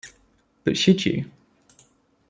But should you?